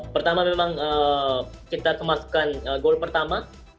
pertama kita masukkan gol pertama